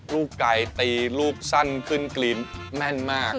ลูกไก่ตีลูกสั้นขึ้นกลีนแม่นมาก